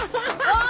あ！